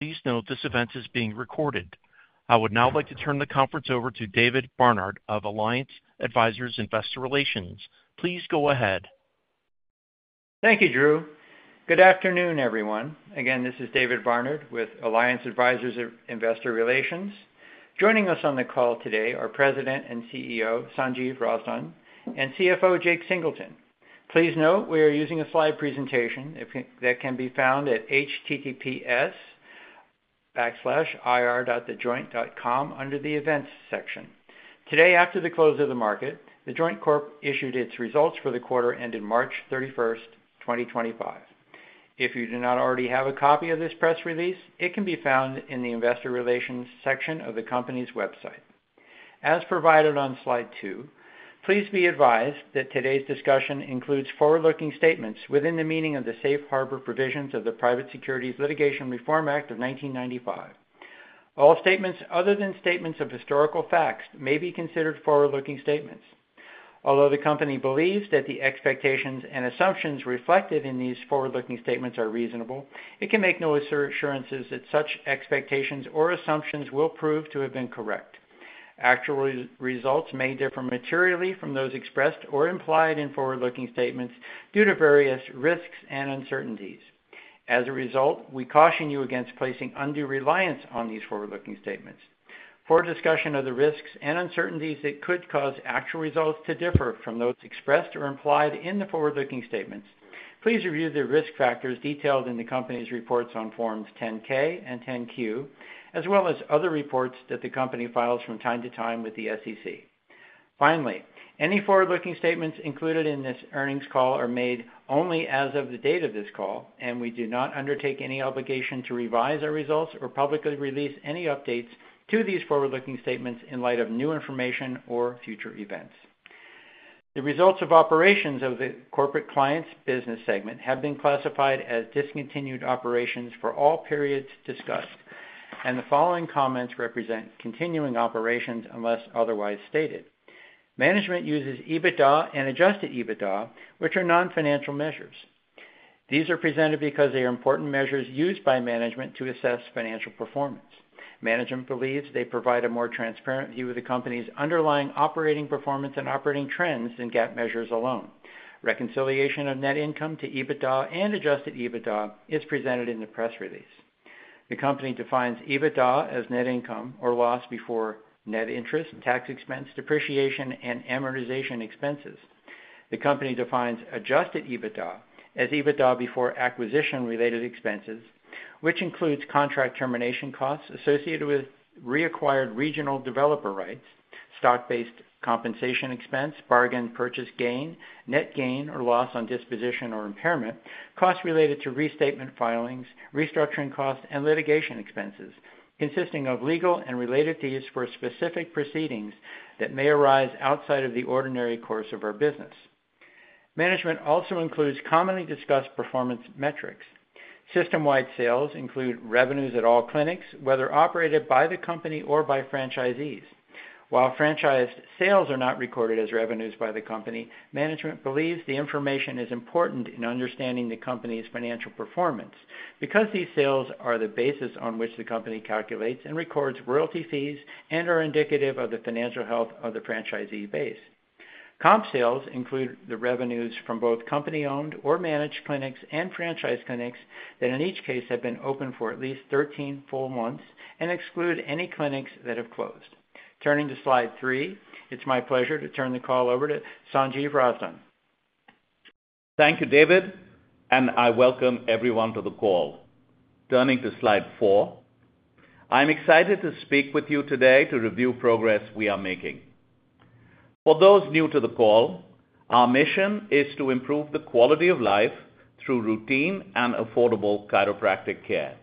Please note this event is being recorded. I would now like to turn the conference over to David Barnard of Alliance Advisors Investor Relations. Please go ahead. Thank you, Drew. Good afternoon, everyone. Again, this is David Barnard with Alliance Advisors Investor Relations. Joining us on the call today are President and CEO Sanjiv Razdan, and CFO Jake Singleton. Please note we are using a slide presentation that can be found at https://ir.thejoint.com under the Events section. Today, after the close of the market, The Joint Corp. issued its results for the quarter ended March 31, 2025. If you do not already have a copy of this press release, it can be found in the Investor Relations section of the company's website. As provided on slide two, please be advised that today's discussion includes forward-looking statements within the meaning of the Safe Harbor Provisions of the Private Securities Litigation Reform Act of 1995. All statements other than statements of historical facts may be considered forward-looking statements. Although the company believes that the expectations and assumptions reflected in these forward-looking statements are reasonable, it can make no assurances that such expectations or assumptions will prove to have been correct. Actual results may differ materially from those expressed or implied in forward-looking statements due to various risks and uncertainties. As a result, we caution you against placing undue reliance on these forward-looking statements. For discussion of the risks and uncertainties that could cause actual results to differ from those expressed or implied in the forward-looking statements, please review the risk factors detailed in the company's reports on Forms 10-K and 10-Q, as well as other reports that the company files from time to time with the SEC. Finally, any forward-looking statements included in this earnings call are made only as of the date of this call, and we do not undertake any obligation to revise our results or publicly release any updates to these forward-looking statements in light of new information or future events. The results of operations of the corporate clinic business segment have been classified as discontinued operations for all periods discussed, and the following comments represent continuing operations unless otherwise stated. Management uses EBITDA and adjusted EBITDA, which are non-financial measures. These are presented because they are important measures used by management to assess financial performance. Management believes they provide a more transparent view of the company's underlying operating performance and operating trends than GAAP measures alone. Reconciliation of net income to EBITDA and adjusted EBITDA is presented in the press release. The company defines EBITDA as net income or loss before net interest, tax expense, depreciation, and amortization expenses. The company defines adjusted EBITDA as EBITDA before acquisition-related expenses, which includes contract termination costs associated with reacquired regional developer rights, stock-based compensation expense, bargain purchase gain, net gain or loss on disposition or impairment, costs related to restatement filings, restructuring costs, and litigation expenses consisting of legal and related fees for specific proceedings that may arise outside of the ordinary course of our business. Management also includes commonly discussed performance metrics. System-wide sales include revenues at all clinics, whether operated by the company or by franchisees. While franchised sales are not recorded as revenues by the company, management believes the information is important in understanding the company's financial performance because these sales are the basis on which the company calculates and records royalty fees and are indicative of the financial health of the franchisee base. Comp sales include the revenues from both company-owned or managed clinics and franchise clinics that in each case have been open for at least 13 full months and exclude any clinics that have closed. Turning to slide three, it's my pleasure to turn the call over to Sanjiv Razdan. Thank you, David, and I welcome everyone to the call. Turning to slide four, I'm excited to speak with you today to review progress we are making. For those new to the call, our mission is to improve the quality of life through routine and affordable chiropractic care.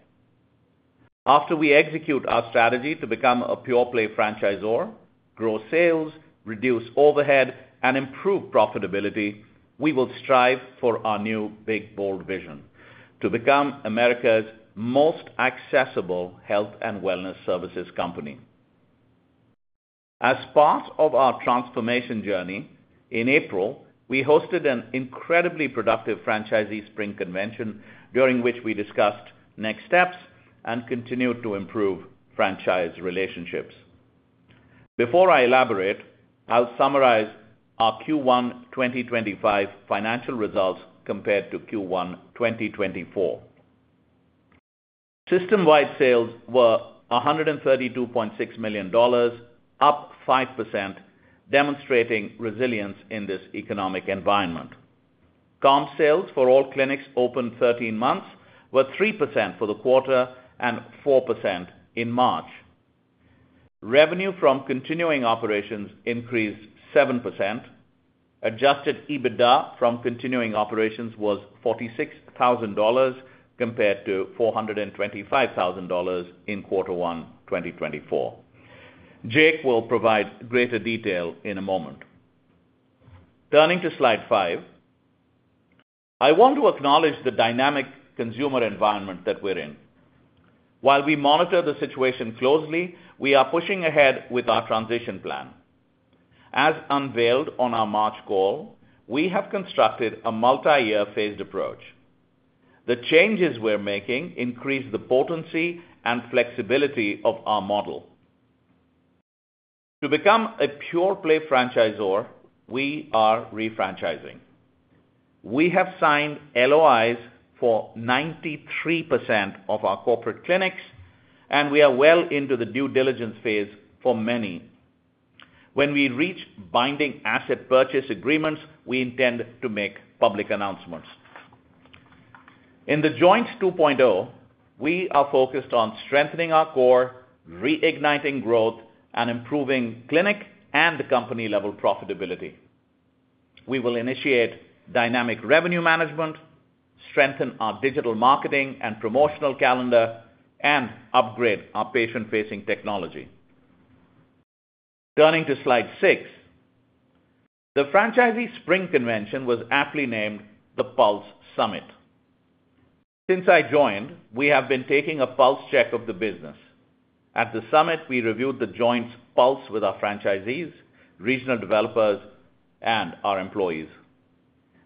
After we execute our strategy to become a pure-play franchisor, grow sales, reduce overhead, and improve profitability, we will strive for our new, big, bold vision to become America's most accessible health and wellness services company. As part of our transformation journey, in April, we hosted an incredibly productive franchisee spring convention during which we discussed next steps and continued to improve franchise relationships. Before I elaborate, I'll summarize our Q1 2025 financial results compared to Q1 2024. System-wide sales were $132.6 million, up 5%, demonstrating resilience in this economic environment. Comp sales for all clinics opened 13 months were 3% for the quarter and 4% in March. Revenue from continuing operations increased 7%. Adjusted EBITDA from continuing operations was $46,000 compared to $425,000 in quarter one 2024. Jake will provide greater detail in a moment. Turning to slide five, I want to acknowledge the dynamic consumer environment that we're in. While we monitor the situation closely, we are pushing ahead with our transition plan. As unveiled on our March call, we have constructed a multi-year phased approach. The changes we're making increase the potency and flexibility of our model. To become a pure-play franchisor, we are refranchising. We have signed LOIs for 93% of our corporate clinics, and we are well into the due diligence phase for many. When we reach binding asset purchase agreements, we intend to make public announcements. In the Joint 2.0, we are focused on strengthening our core, reigniting growth, and improving clinic and company-level profitability. We will initiate dynamic revenue management, strengthen our digital marketing and promotional calendar, and upgrade our patient-facing technology. Turning to slide six, the franchisee spring convention was aptly named the Pulse Summit. Since I joined, we have been taking a pulse check of the business. At the summit, we reviewed the Joint's pulse with our franchisees, regional developers, and our employees.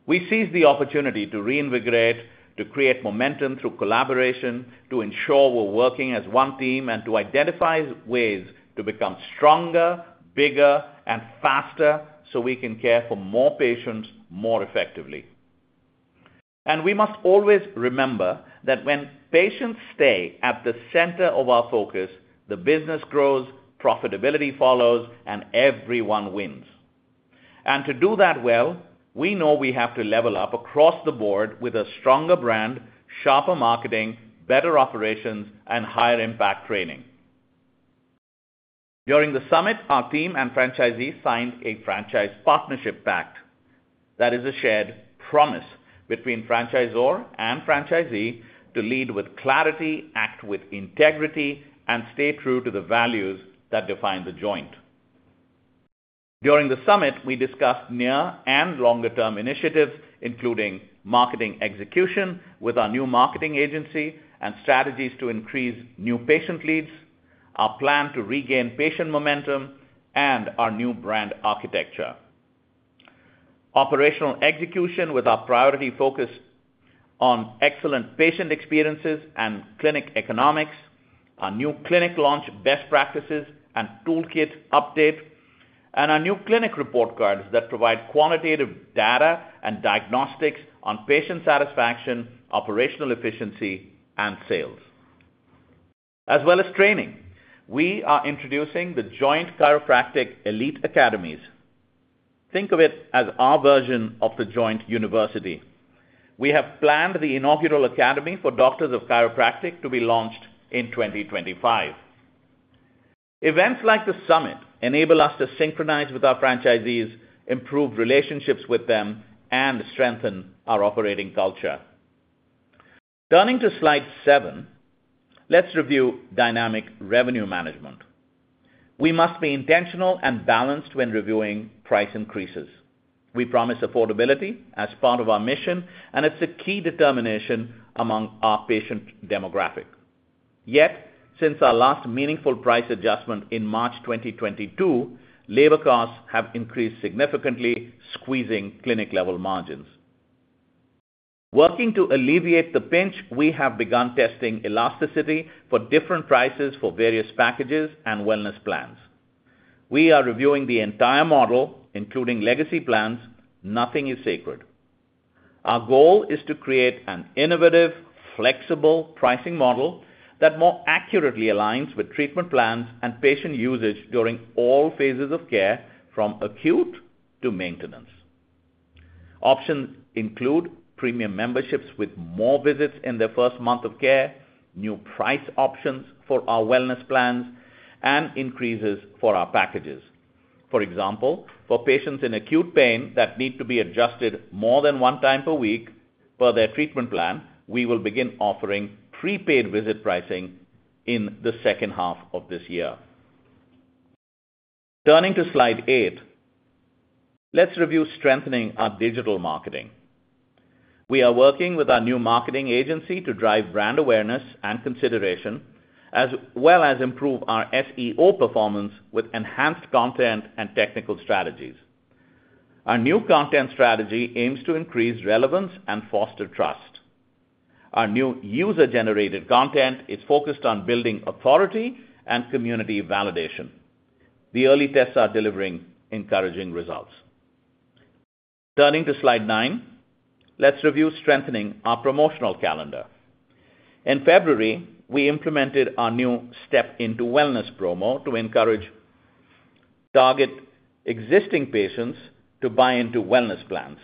We seized the opportunity to reinvigorate, to create momentum through collaboration, to ensure we're working as one team, and to identify ways to become stronger, bigger, and faster so we can care for more patients more effectively. We must always remember that when patients stay at the center of our focus, the business grows, profitability follows, and everyone wins. To do that well, we know we have to level up across the board with a stronger brand, sharper marketing, better operations, and higher impact training. During the summit, our team and franchisees signed a Franchise Partnership Pact. That is a shared promise between franchisor and franchisee to lead with clarity, act with integrity, and stay true to the values that define The Joint. During the summit, we discussed near and longer-term initiatives, including marketing execution with our new marketing agency and strategies to increase new patient leads, our plan to regain patient momentum, and our new brand architecture. Operational execution with our priority focus on excellent patient experiences and clinic economics, our new clinic launch best practices and toolkit update, and our new clinic report cards that provide qualitative data and diagnostics on patient satisfaction, operational efficiency, and sales. As well as training, we are introducing the Joint Chiropractic Elite Academies. Think of it as our version of the Joint University. We have planned the inaugural academy for Doctors of Chiropractic to be launched in 2025. Events like the summit enable us to synchronize with our franchisees, improve relationships with them, and strengthen our operating culture. Turning to slide seven, let's review dynamic revenue management. We must be intentional and balanced when reviewing price increases. We promise affordability as part of our mission, and it's a key determination among our patient demographic. Yet, since our last meaningful price adjustment in March 2022, labor costs have increased significantly, squeezing clinic-level margins. Working to alleviate the pinch, we have begun testing elasticity for different prices for various packages and wellness plans. We are reviewing the entire model, including legacy plans; nothing is sacred. Our goal is to create an innovative, flexible pricing model that more accurately aligns with treatment plans and patient usage during all phases of care, from acute to maintenance. Options include premium memberships with more visits in their first month of care, new price options for our wellness plans, and increases for our packages. For example, for patients in acute pain that need to be adjusted more than one time per week per their treatment plan, we will begin offering prepaid visit pricing in the second half of this year. Turning to slide eight, let's review strengthening our digital marketing. We are working with our new marketing agency to drive brand awareness and consideration, as well as improve our SEO performance with enhanced content and technical strategies. Our new content strategy aims to increase relevance and foster trust. Our new user-generated content is focused on building authority and community validation. The early tests are delivering encouraging results. Turning to slide nine, let's review strengthening our promotional calendar. In February, we implemented our new Step Into Wellness promo to encourage target existing patients to buy into wellness plans.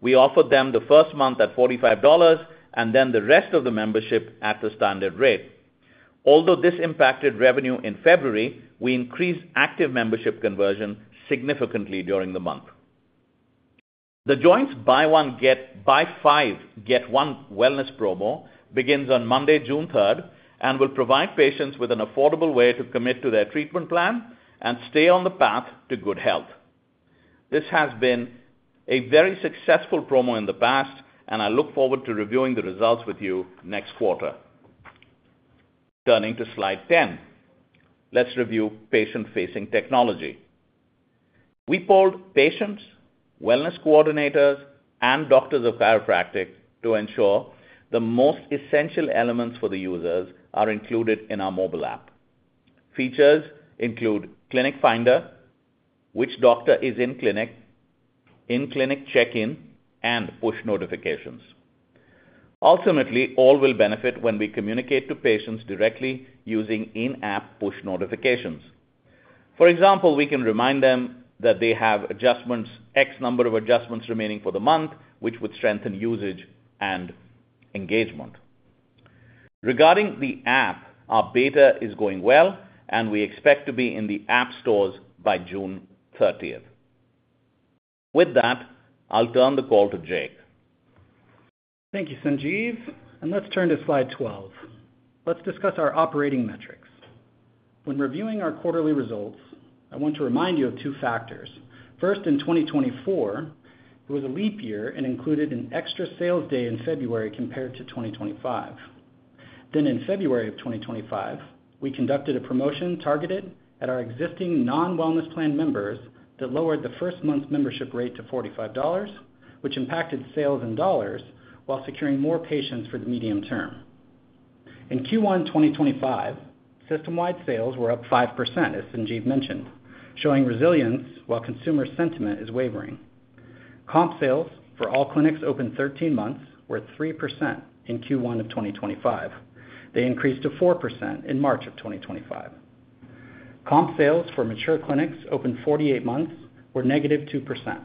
We offered them the first month at $45 and then the rest of the membership at the standard rate. Although this impacted revenue in February, we increased active membership conversion significantly during the month. The Joint's Buy One Get One Wellness Promo begins on Monday, June 3, and will provide patients with an affordable way to commit to their treatment plan and stay on the path to good health. This has been a very successful promo in the past, and I look forward to reviewing the results with you next quarter. Turning to slide 10, let's review patient-facing technology. We polled patients, wellness coordinators, and Doctors of Chiropractic to ensure the most essential elements for the users are included in our mobile app. Features include Clinic Finder, which doctor is in clinic, in-clinic check-in, and push notifications. Ultimately, all will benefit when we communicate to patients directly using in-app push notifications. For example, we can remind them that they have X number of adjustments remaining for the month, which would strengthen usage and engagement. Regarding the app, our beta is going well, and we expect to be in the app stores by June 30. With that, I'll turn the call to Jake. Thank you, Sanjiv. Let's turn to slide 12. Let's discuss our operating metrics. When reviewing our quarterly results, I want to remind you of two factors. First, in 2024, it was a leap year and included an extra sales day in February compared to 2025. In February of 2025, we conducted a promotion targeted at our existing non-wellness plan members that lowered the first month's membership rate to $45, which impacted sales in dollars while securing more patients for the medium term. In Q1 2025, system-wide sales were up 5%, as Sanjiv mentioned, showing resilience while consumer sentiment is wavering. Comp sales for all clinics opened 13 months were 3% in Q1 of 2025. They increased to 4% in March of 2025. Comp sales for mature clinics opened 48 months were -2%.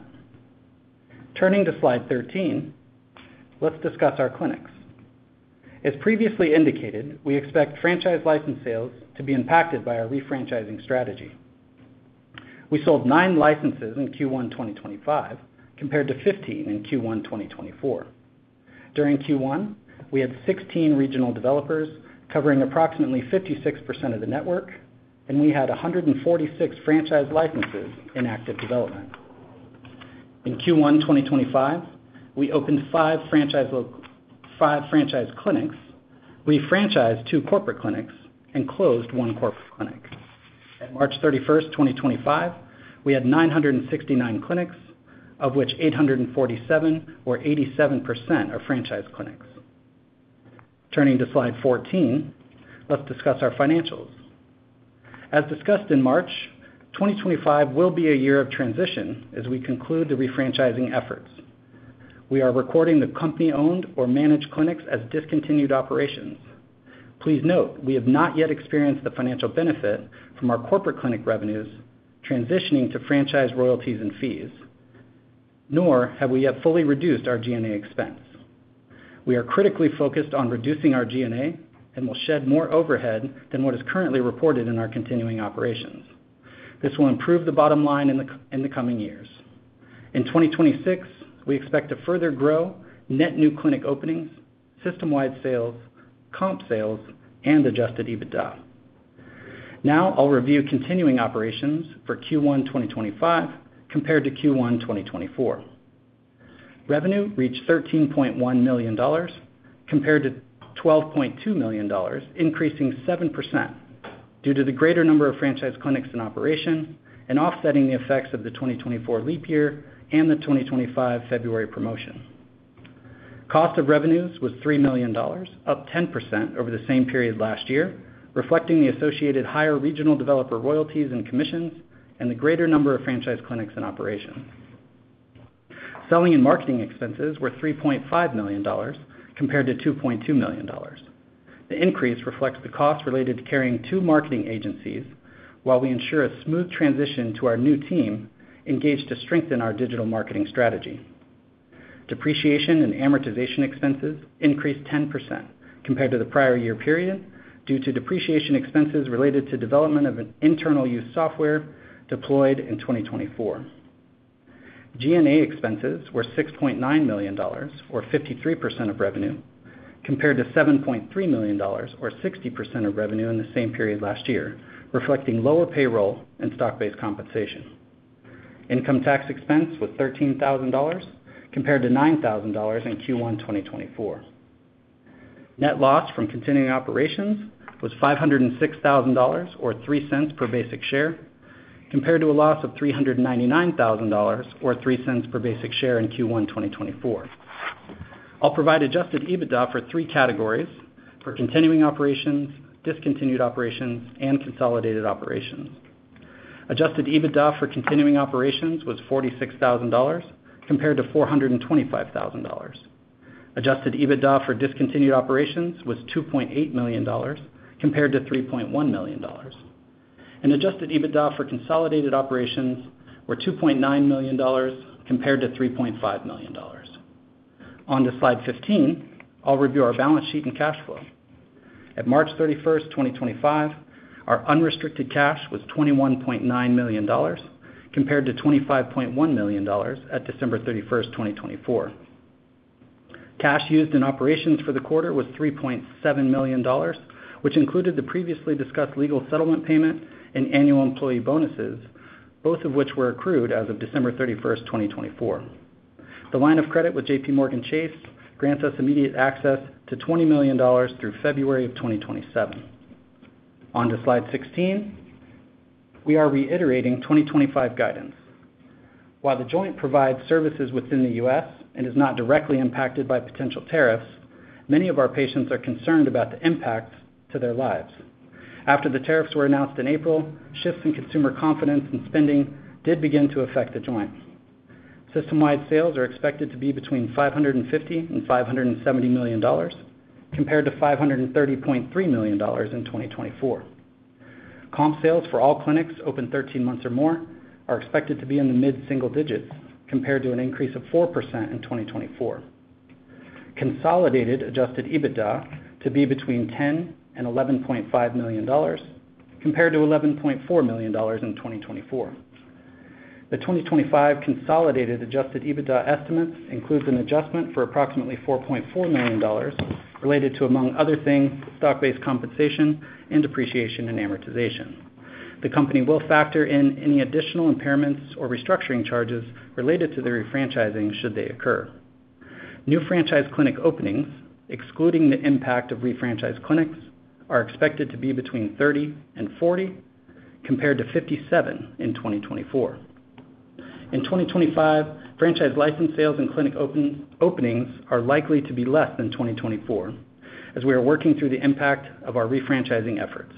Turning to slide 13, let's discuss our clinics. As previously indicated, we expect franchise license sales to be impacted by our refranchising strategy. We sold nine licenses in Q1 2025 compared to 15 in Q1 2024. During Q1, we had 16 regional developers covering approximately 56% of the network, and we had 146 franchise licenses in active development. In Q1 2025, we opened five franchise clinics, refranchised two corporate clinics, and closed one corporate clinic. At March 31, 2025, we had 969 clinics, of which 847 were franchise clinics, representing 87%. Turning to slide 14, let's discuss our financials. As discussed in March, 2025 will be a year of transition as we conclude the refranchising efforts. We are recording the company-owned or managed clinics as discontinued operations. Please note, we have not yet experienced the financial benefit from our corporate clinic revenues transitioning to franchise royalties and fees, nor have we yet fully reduced our G&A expense. We are critically focused on reducing our G&A and will shed more overhead than what is currently reported in our continuing operations. This will improve the bottom line in the coming years. In 2026, we expect to further grow net new clinic openings, system-wide sales, comp sales, and adjusted EBITDA. Now, I'll review continuing operations for Q1 2025 compared to Q1 2024. Revenue reached $13.1 million compared to $12.2 million, increasing 7% due to the greater number of franchise clinics in operation and offsetting the effects of the 2024 leap year and the 2025 February promotion. Cost of revenues was $3 million, up 10% over the same period last year, reflecting the associated higher regional developer royalties and commissions and the greater number of franchise clinics in operation. Selling and marketing expenses were $3.5 million compared to $2.2 million. The increase reflects the cost related to carrying two marketing agencies while we ensure a smooth transition to our new team engaged to strengthen our digital marketing strategy. Depreciation and amortization expenses increased 10% compared to the prior year period due to depreciation expenses related to development of internal use software deployed in 2024. G&A expenses were $6.9 million, or 53% of revenue, compared to $7.3 million, or 60% of revenue in the same period last year, reflecting lower payroll and stock-based compensation. Income tax expense was $13,000 compared to $9,000 in Q1 2024. Net loss from continuing operations was $506,000 or $0.03 per basic share compared to a loss of $399,000 or $0.03 per basic share in Q1 2024. I'll provide adjusted EBITDA for three categories: for continuing operations, discontinued operations, and consolidated operations. Adjusted EBITDA for continuing operations was $46,000 compared to $425,000. Adjusted EBITDA for discontinued operations was $2.8 million compared to $3.1 million. Adjusted EBITDA for consolidated operations were $2.9 million compared to $3.5 million. On to slide 15, I'll review our balance sheet and cash flow. At March 31, 2025, our unrestricted cash was $21.9 million compared to $25.1 million at December 31, 2024. Cash used in operations for the quarter was $3.7 million, which included the previously discussed legal settlement payment and annual employee bonuses, both of which were accrued as of December 31, 2024. The line of credit with JPMorgan Chase grants us immediate access to $20 million through February of 2027. On to slide 16, we are reiterating 2025 guidance. While The Joint provides services within the U.S. and is not directly impacted by potential tariffs, many of our patients are concerned about the impacts to their lives. After the tariffs were announced in April, shifts in consumer confidence and spending did begin to affect The Joint. System-wide sales are expected to be between $550 million and $570 million compared to $530.3 million in 2024. Comp sales for all clinics opened 13 months or more are expected to be in the mid-single digits compared to an increase of 4% in 2024. Consolidated adjusted EBITDA to be between $10 million and $11.5 million compared to $11.4 million in 2024. The 2025 consolidated adjusted EBITDA estimates include an adjustment for approximately $4.4 million related to, among other things, stock-based compensation and depreciation and amortization. The company will factor in any additional impairments or restructuring charges related to the refranchising should they occur. New franchise clinic openings, excluding the impact of refranchised clinics, are expected to be between 30 and 40 compared to 57 in 2024. In 2025, franchise license sales and clinic openings are likely to be less than 2024, as we are working through the impact of our refranchising efforts.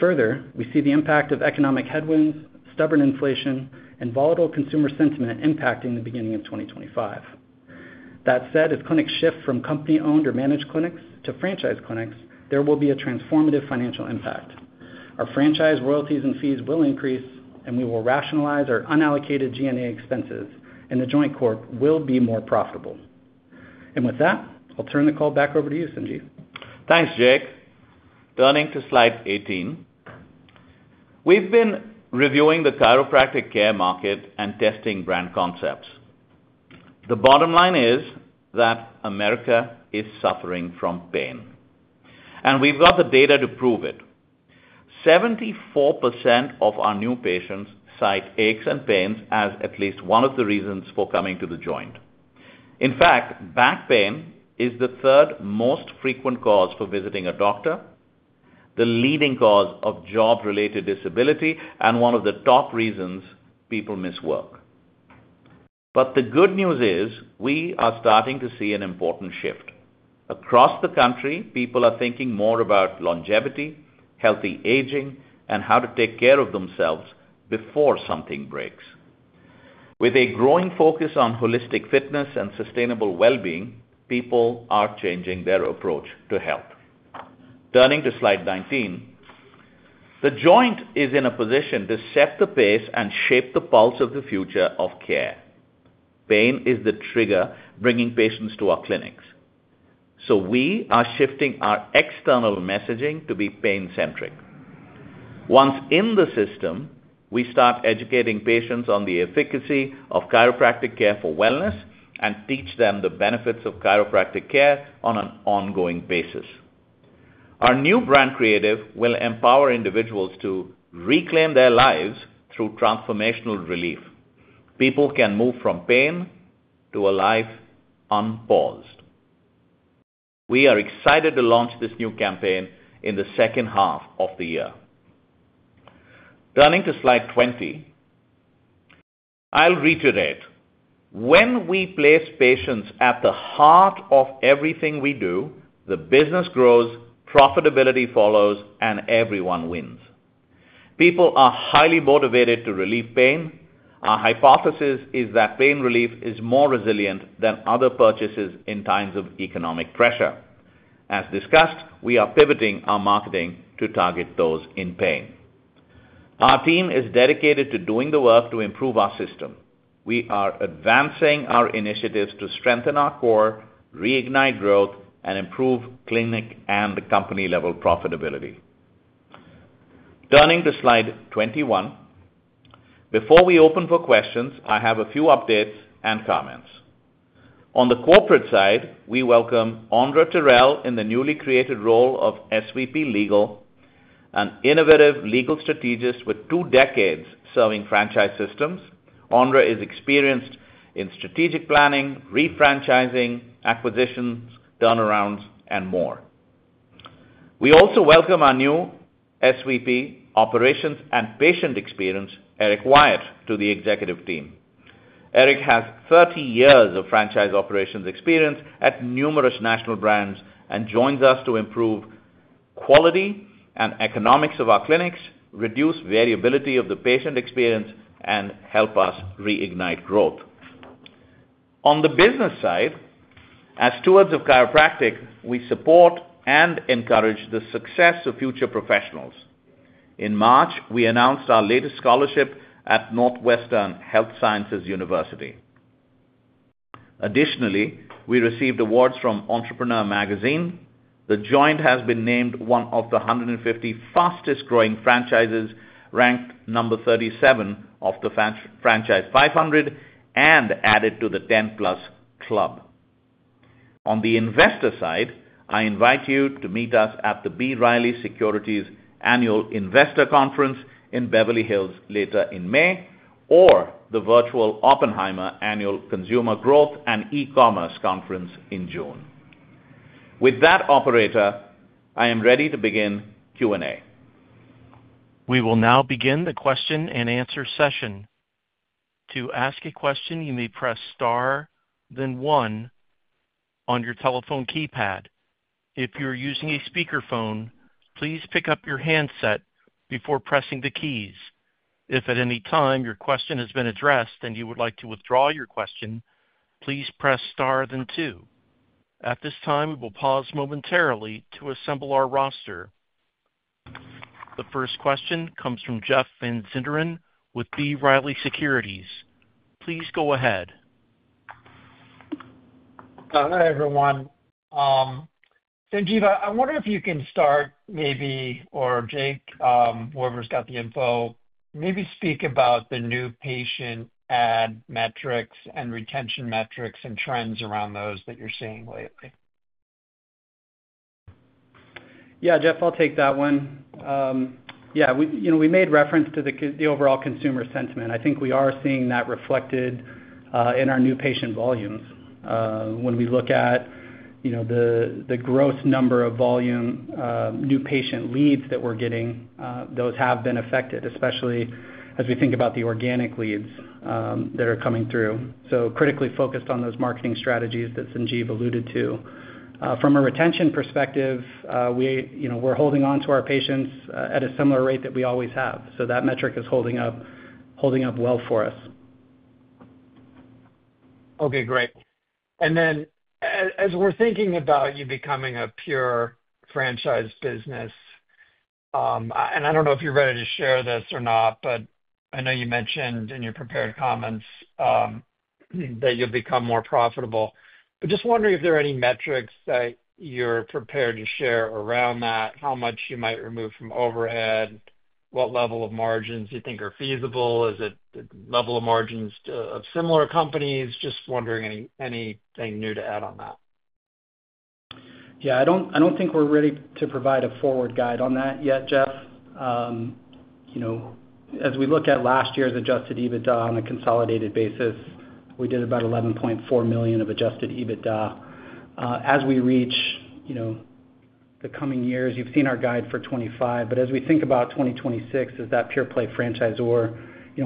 Further, we see the impact of economic headwinds, stubborn inflation, and volatile consumer sentiment impacting the beginning of 2025. That said, as clinics shift from company-owned or managed clinics to franchise clinics, there will be a transformative financial impact. Our franchise royalties and fees will increase, and we will rationalize our unallocated G&A expenses, and The Joint Corp. will be more profitable. With that, I'll turn the call back over to you, Sanjiv. Thanks, Jake. Turning to slide 18, we've been reviewing the chiropractic care market and testing brand concepts. The bottom line is that America is suffering from pain, and we've got the data to prove it. 74% of our new patients cite aches and pains as at least one of the reasons for coming to The Joint. In fact, back pain is the third most frequent cause for visiting a doctor, the leading cause of job-related disability, and one of the top reasons people miss work. The good news is we are starting to see an important shift. Across the country, people are thinking more about longevity, healthy aging, and how to take care of themselves before something breaks. With a growing focus on holistic fitness and sustainable well-being, people are changing their approach to health. Turning to slide 19, The Joint is in a position to set the pace and shape the pulse of the future of care. Pain is the trigger bringing patients to our clinics. We are shifting our external messaging to be pain-centric. Once in the system, we start educating patients on the efficacy of chiropractic care for wellness and teach them the benefits of chiropractic care on an ongoing basis. Our new brand creative will empower individuals to reclaim their lives through transformational relief. People can move from pain to a life unpaused. We are excited to launch this new campaign in the second half of the year. Turning to slide 20, I'll reiterate. When we place patients at the heart of everything we do, the business grows, profitability follows, and everyone wins. People are highly motivated to relieve pain. Our hypothesis is that pain relief is more resilient than other purchases in times of economic pressure. As discussed, we are pivoting our marketing to target those in pain. Our team is dedicated to doing the work to improve our system. We are advancing our initiatives to strengthen our core, reignite growth, and improve clinic and company-level profitability. Turning to slide 21, before we open for questions, I have a few updates and comments. On the corporate side, we welcome Andra Terrell in the newly created role of SVP of Legal, an innovative legal strategist with two decades serving franchise systems. Andra is experienced in strategic planning, refranchising, acquisitions, turnarounds, and more. We also welcome our new SVP of Operations and Patient Experience, Eric Wyatt, to the executive team. Eric has 30 years of franchise operations experience at numerous national brands and joins us to improve quality and economics of our clinics, reduce variability of the patient experience, and help us reignite growth. On the business side, as stewards of chiropractic, we support and encourage the success of future professionals. In March, we announced our latest scholarship at Northwestern Health Sciences University. Additionally, we received awards from Entrepreneur Magazine. The Joint has been named one of the 150 fastest-growing franchises, ranked number 37 of the Franchise 500, and added to the 10+ club. On the investor side, I invite you to meet us at the B. Riley Securities Annual Investor Conference in Beverly Hills later in May, or the virtual Oppenheimer Annual Consumer Growth and E-commerce Conference in June. With that, operator, I am ready to begin Q&A. We will now begin the question-and-answer session. To ask a question, you may press star, then one on your telephone keypad. If you're using a speakerphone, please pick up your handset before pressing the keys. If at any time your question has been addressed and you would like to withdraw your question, please press star, then two. At this time, we will pause momentarily to assemble our roster. The first question comes from Jeff Van Sinderen with B. Riley Securities. Please go ahead. Hi, everyone. Sanjiv, I wonder if you can start maybe, or Jake, whoever's got the info, maybe speak about the new patient ad metrics and retention metrics and trends around those that you're seeing lately. Yeah, Jeff, I'll take that one. Yeah, we made reference to the overall consumer sentiment. I think we are seeing that reflected in our new patient volumes. When we look at the gross number of volume new patient leads that we're getting, those have been affected, especially as we think about the organic leads that are coming through. Critically focused on those marketing strategies that Sanjiv alluded to. From a retention perspective, we're holding on to our patients at a similar rate that we always have. That metric is holding up well for us. Okay, great. As we're thinking about you becoming a pure franchise business, I don't know if you're ready to share this or not, but I know you mentioned in your prepared comments that you'll become more profitable. Just wondering if there are any metrics that you're prepared to share around that, how much you might remove from overhead, what level of margins you think are feasible, is it the level of margins of similar companies? Just wondering anything new to add on that. Yeah, I don't think we're ready to provide a forward guide on that yet, Jeff. As we look at last year's adjusted EBITDA on a consolidated basis, we did about $11.4 million of adjusted EBITDA. As we reach the coming years, you've seen our guide for 2025, but as we think about 2026 as that pure-play franchisor,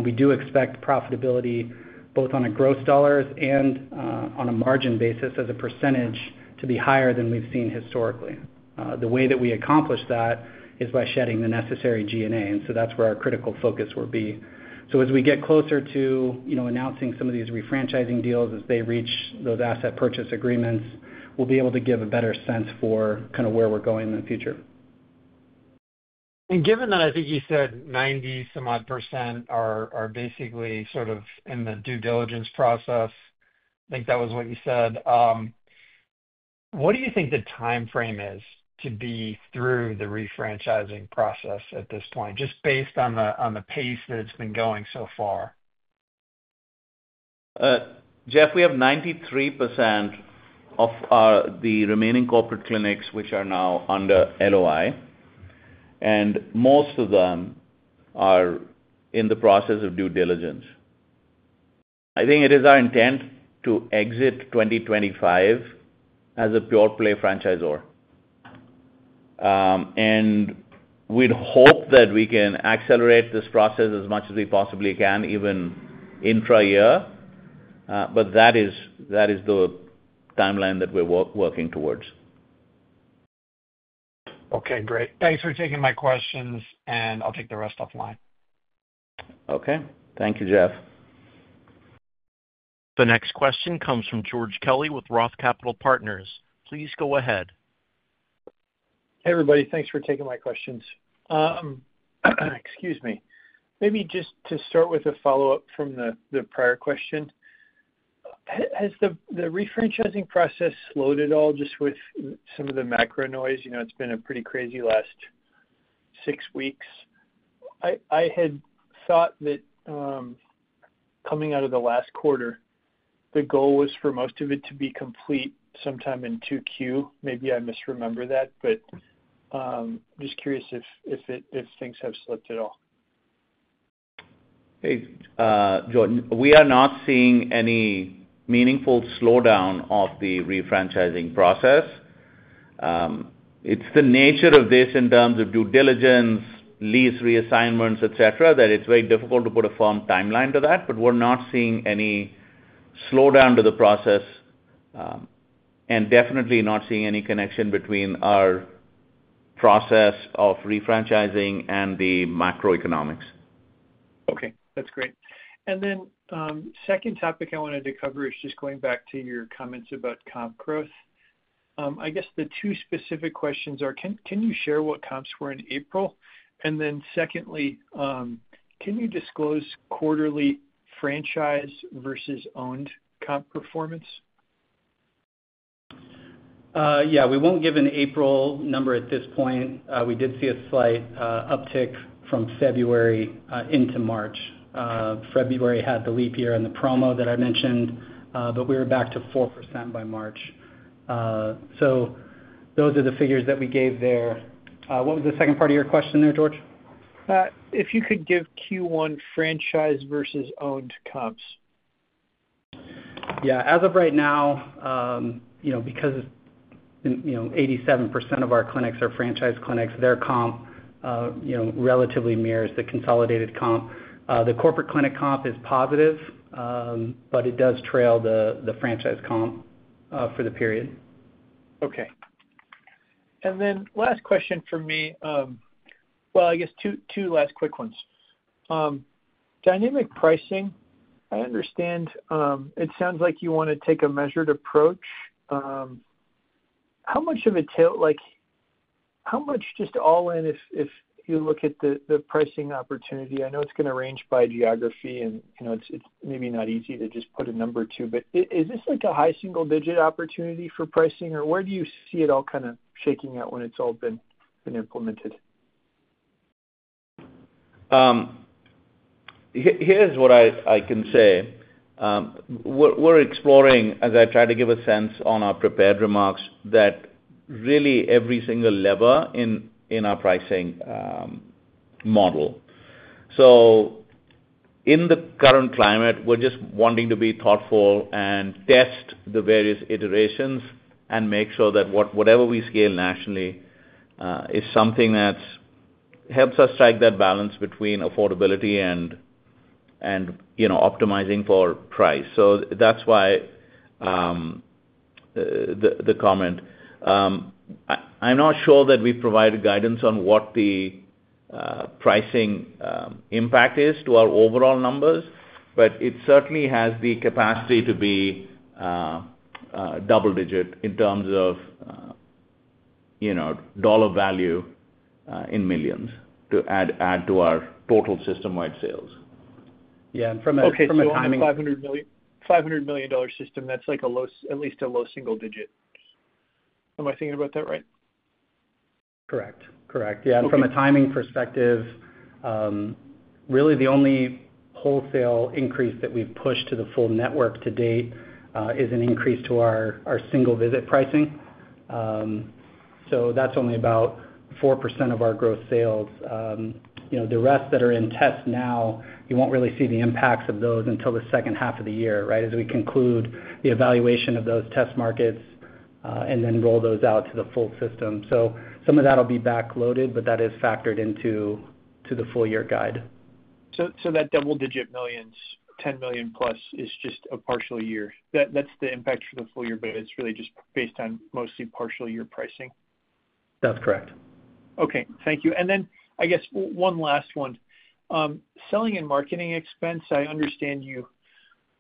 we do expect profitability both on a gross dollars and on a margin basis as a percentage to be higher than we've seen historically. The way that we accomplish that is by shedding the necessary G&A, and that's where our critical focus will be. As we get closer to announcing some of these refranchising deals, as they reach those asset purchase agreements, we'll be able to give a better sense for kind of where we're going in the future. Given that I think you said 90-some-odd percent are basically sort of in the due diligence process, I think that was what you said. What do you think the timeframe is to be through the refranchising process at this point, just based on the pace that it's been going so far? Jeff, we have 93% of the remaining corporate clinics which are now under LOI, and most of them are in the process of due diligence. I think it is our intent to exit 2025 as a pure-play franchisor. We hope that we can accelerate this process as much as we possibly can, even intra-year, but that is the timeline that we're working towards. Okay, great. Thanks for taking my questions, and I'll take the rest offline. Okay. Thank you, Jeff. The next question comes from George Kelly with Roth Capital Partners. Please go ahead. Hey, everybody. Thanks for taking my questions. Excuse me. Maybe just to start with a follow-up from the prior question. Has the refranchising process slowed at all just with some of the macro noise? It's been a pretty crazy last six weeks. I had thought that coming out of the last quarter, the goal was for most of it to be complete sometime in Q2. Maybe I misremember that, but I'm just curious if things have slipped at all. Hey, George, we are not seeing any meaningful slowdown of the refranchising process. It's the nature of this in terms of due diligence, lease reassignments, etc., that it's very difficult to put a firm timeline to that, but we're not seeing any slowdown to the process and definitely not seeing any connection between our process of refranchising and the macroeconomics. Okay. That's great. The second topic I wanted to cover is just going back to your comments about comp growth. I guess the two specific questions are: can you share what comps were in April? Secondly, can you disclose quarterly franchise versus owned comp performance? Yeah, we won't give an April number at this point. We did see a slight uptick from February into March. February had the leap year and the promo that I mentioned, but we were back to 4% by March. Those are the figures that we gave there. What was the second part of your question there, George? If you could give Q1 franchise versus owned comps. Yeah. As of right now, because 87% of our clinics are franchise clinics, their comp relatively mirrors the consolidated comp. The corporate clinic comp is positive, but it does trail the franchise comp for the period. Okay. Last question for me. I guess two last quick ones. Dynamic pricing, I understand it sounds like you want to take a measured approach. How much of a tail? How much just all in if you look at the pricing opportunity? I know it's going to range by geography, and it's maybe not easy to just put a number to, but is this a high single-digit opportunity for pricing, or where do you see it all kind of shaking out when it's all been implemented? Here's what I can say. We're exploring, as I tried to give a sense on our prepared remarks, really every single lever in our pricing model. In the current climate, we're just wanting to be thoughtful and test the various iterations and make sure that whatever we scale nationally is something that helps us strike that balance between affordability and optimizing for price. That's why the comment. I'm not sure that we provide guidance on what the pricing impact is to our overall numbers, but it certainly has the capacity to be double-digit in terms of dollar value in millions to add to our total system-wide sales. Yeah. From a timing. Okay. So a $500 million system, that's at least a low single digit. Am I thinking about that right? Correct. Correct. Yeah. From a timing perspective, really the only wholesale increase that we've pushed to the full network to date is an increase to our single-visit pricing. That's only about 4% of our gross sales. The rest that are in test now, you won't really see the impacts of those until the second half of the year, right, as we conclude the evaluation of those test markets and then roll those out to the full system. Some of that will be backloaded, but that is factored into the full-year guide. That double-digit millions, $10 million+, is just a partial year. That is the impact for the full year, but it is really just based on mostly partial-year pricing. That's correct. Okay. Thank you. I guess one last one. Selling and marketing expense, I understand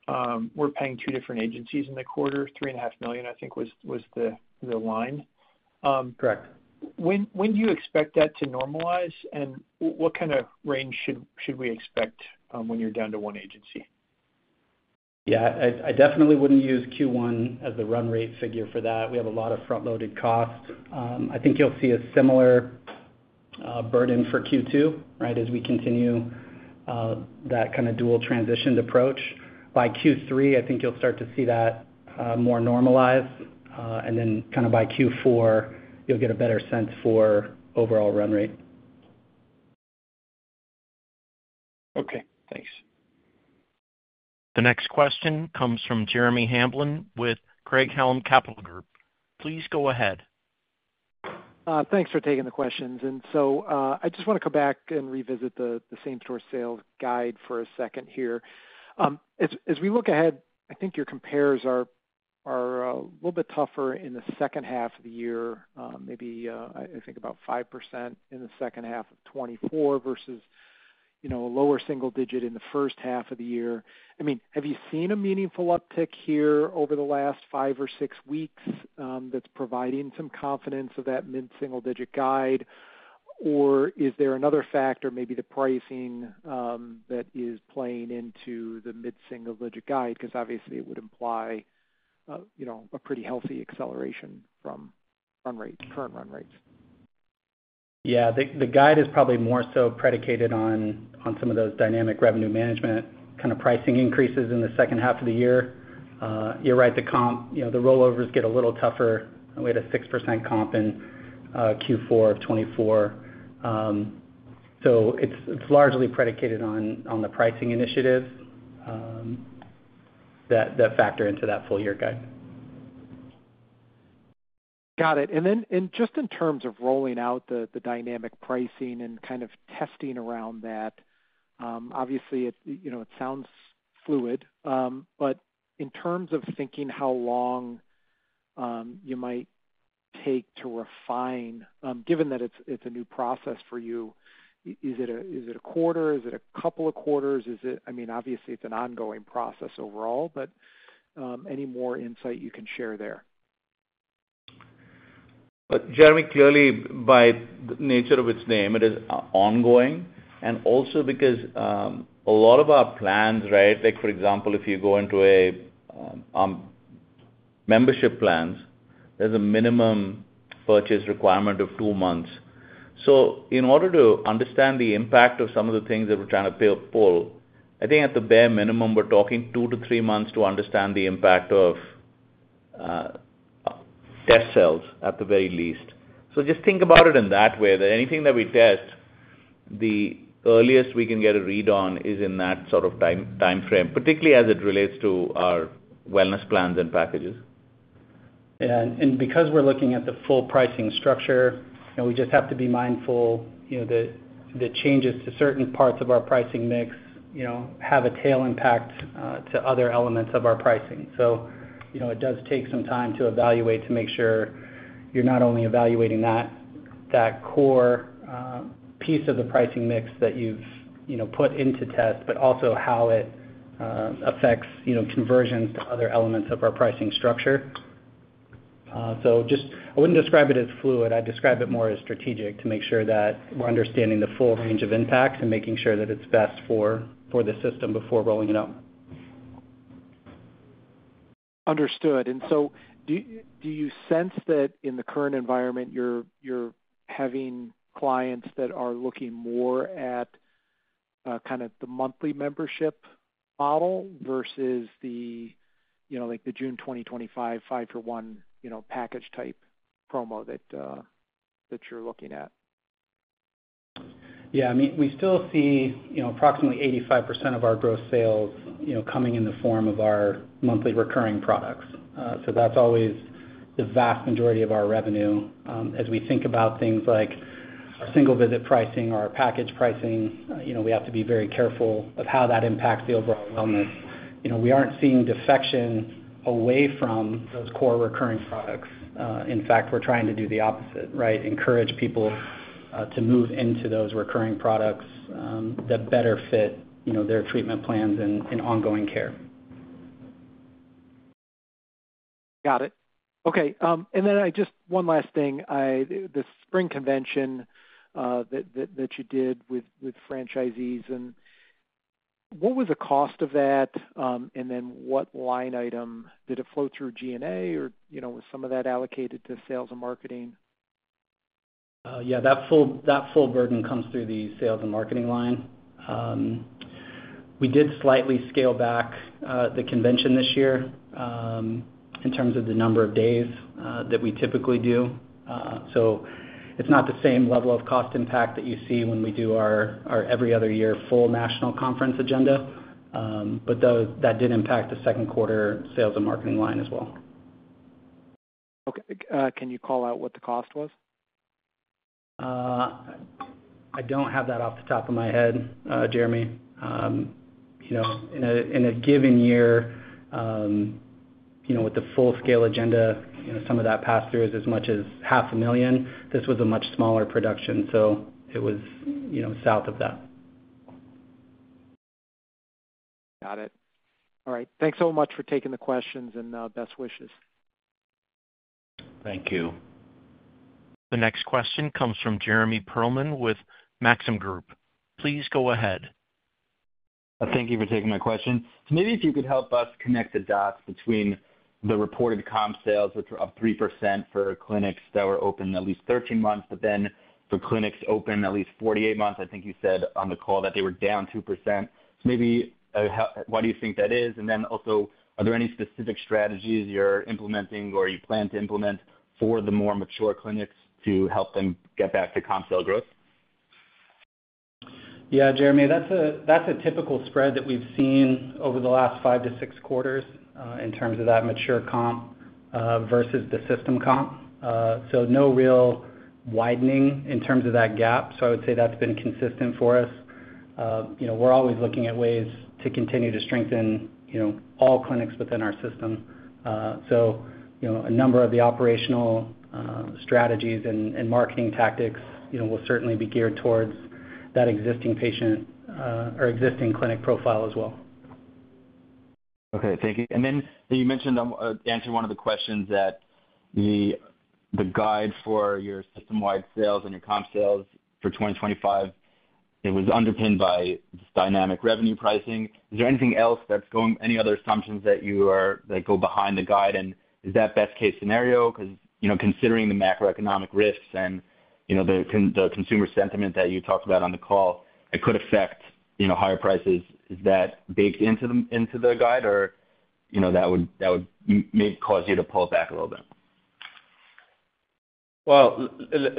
you were paying two different agencies in the quarter. $3.5 million, I think, was the line. Correct. When do you expect that to normalize, and what kind of range should we expect when you're down to one agency? Yeah. I definitely wouldn't use Q1 as the run rate figure for that. We have a lot of front-loaded costs. I think you'll see a similar burden for Q2, right, as we continue that kind of dual transitioned approach. By Q3, I think you'll start to see that more normalized. By Q4, you'll get a better sense for overall run rate. Okay. Thanks. The next question comes from Jeremy Hamblin with Craig-Hallum Capital Group. Please go ahead. Thanks for taking the questions. I just want to come back and revisit the same-store sales guide for a second here. As we look ahead, I think your compares are a little bit tougher in the second half of the year, maybe, I think, about 5% in the second half of 2024 versus a lower single digit in the first half of the year. I mean, have you seen a meaningful uptick here over the last five or six weeks that's providing some confidence of that mid-single-digit guide, or is there another factor, maybe the pricing, that is playing into the mid-single-digit guide? Because obviously, it would imply a pretty healthy acceleration from current run rates. Yeah. The guide is probably more so predicated on some of those dynamic revenue management kind of pricing increases in the second half of the year. You're right. The rollovers get a little tougher. We had a 6% comp in Q4 of 2024. So it's largely predicated on the pricing initiatives that factor into that full-year guide. Got it. And then just in terms of rolling out the dynamic pricing and kind of testing around that, obviously, it sounds fluid, but in terms of thinking how long you might take to refine, given that it's a new process for you, is it a quarter? Is it a couple of quarters? I mean, obviously, it's an ongoing process overall, but any more insight you can share there? Jeremy, clearly, by the nature of its name, it is ongoing. Also, because a lot of our plans, right, for example, if you go into a membership plan, there is a minimum purchase requirement of two months. In order to understand the impact of some of the things that we are trying to pull, I think at the bare minimum, we are talking two to three months to understand the impact of test sales at the very least. Just think about it in that way, that anything that we test, the earliest we can get a read on is in that sort of timeframe, particularly as it relates to our wellness plans and packages. Yeah. Because we're looking at the full pricing structure, we just have to be mindful that changes to certain parts of our pricing mix have a tail impact to other elements of our pricing. It does take some time to evaluate to make sure you're not only evaluating that core piece of the pricing mix that you've put into test, but also how it affects conversions to other elements of our pricing structure. I wouldn't describe it as fluid. I'd describe it more as strategic to make sure that we're understanding the full range of impacts and making sure that it's best for the system before rolling it up. Understood. Do you sense that in the current environment, you're having clients that are looking more at kind of the monthly membership model versus the June 2025 Five for One package type promo that you're looking at? Yeah. I mean, we still see approximately 85% of our gross sales coming in the form of our monthly recurring products. So that's always the vast majority of our revenue. As we think about things like our single-visit pricing or our package pricing, we have to be very careful of how that impacts the overall wellness. We aren't seeing defection away from those core recurring products. In fact, we're trying to do the opposite, right, encourage people to move into those recurring products that better fit their treatment plans and ongoing care. Got it. Okay. And then just one last thing. The spring convention that you did with franchisees, what was the cost of that? And then what line item? Did it flow through G&A, or was some of that allocated to sales and marketing? Yeah. That full burden comes through the sales and marketing line. We did slightly scale back the convention this year in terms of the number of days that we typically do. It is not the same level of cost impact that you see when we do our every other year full national conference agenda, but that did impact the second quarter sales and marketing line as well. Okay. Can you call out what the cost was? I don't have that off the top of my head, Jeremy. In a given year, with the full-scale agenda, some of that passed through as much as $500,000. This was a much smaller production, so it was south of that. Got it. All right. Thanks so much for taking the questions and best wishes. Thank you. The next question comes from Jeremy Perlman with Maxim Group. Please go ahead. Thank you for taking my question. Maybe if you could help us connect the dots between the reported comp sales, which were up 3% for clinics that were open at least 13 months, but then for clinics open at least 48 months, I think you said on the call that they were down 2%. Why do you think that is? Are there any specific strategies you're implementing or you plan to implement for the more mature clinics to help them get back to comp sale growth? Yeah, Jeremy. That's a typical spread that we've seen over the last five to six quarters in terms of that mature comp versus the system comp. No real widening in terms of that gap. I would say that's been consistent for us. We're always looking at ways to continue to strengthen all clinics within our system. A number of the operational strategies and marketing tactics will certainly be geared towards that existing patient or existing clinic profile as well. Okay. Thank you. You mentioned answering one of the questions that the guide for your system-wide sales and your comp sales for 2025, it was underpinned by dynamic revenue pricing. Is there anything else that's going, any other assumptions that go behind the guide? Is that best-case scenario? Because considering the macroeconomic risks and the consumer sentiment that you talked about on the call, it could affect higher prices. Is that baked into the guide, or that would cause you to pull back a little bit?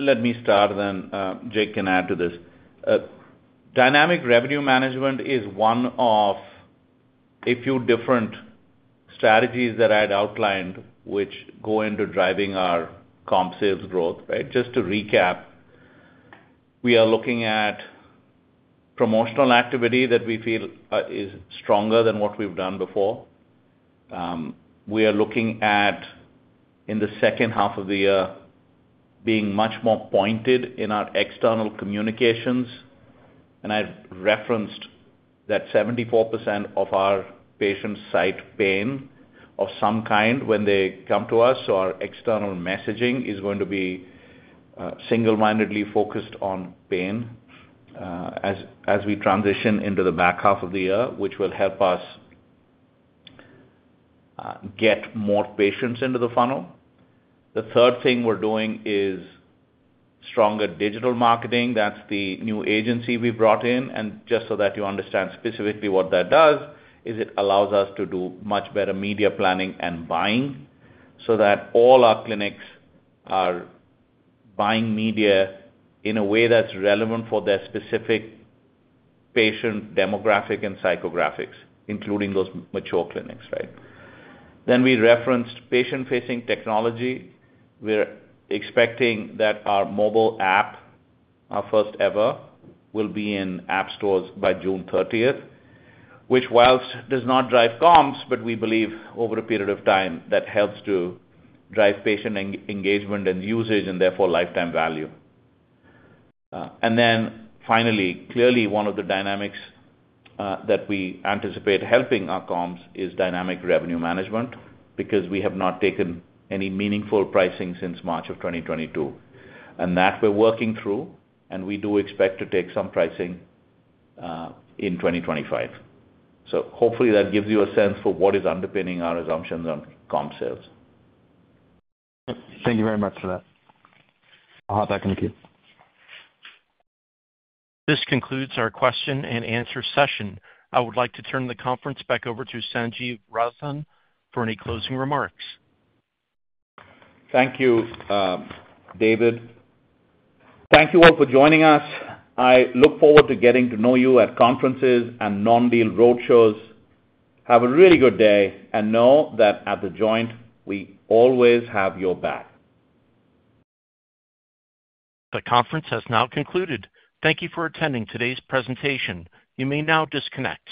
Let me start then. Jake can add to this. Dynamic revenue management is one of a few different strategies that I had outlined which go into driving our comp sales growth, right? Just to recap, we are looking at promotional activity that we feel is stronger than what we've done before. We are looking at, in the second half of the year, being much more pointed in our external communications. I referenced that 74% of our patients cite pain of some kind when they come to us. Our external messaging is going to be single-mindedly focused on pain as we transition into the back half of the year, which will help us get more patients into the funnel. The third thing we're doing is stronger digital marketing. That's the new agency we brought in. Just so that you understand specifically what that does, it allows us to do much better media planning and buying so that all our clinics are buying media in a way that's relevant for their specific patient demographic and psychographics, including those mature clinics, right? We referenced patient-facing technology. We're expecting that our mobile app, our first ever, will be in app stores by June 30, which, whilst does not drive comps, we believe over a period of time that helps to drive patient engagement and usage and therefore lifetime value. Finally, clearly, one of the dynamics that we anticipate helping our comps is dynamic revenue management because we have not taken any meaningful pricing since March of 2022. That we're working through, and we do expect to take some pricing in 2025. Hopefully, that gives you a sense for what is underpinning our assumptions on comp sales. Thank you very much for that. I'll hop back in the queue. This concludes our question-and-answer session. I would like to turn the conference back over to Sanjiv Razdan for any closing remarks. Thank you, David. Thank you all for joining us. I look forward to getting to know you at conferences and non-deal roadshows. Have a really good day and know that at The Joint, we always have your back. The conference has now concluded. Thank you for attending today's presentation. You may now disconnect.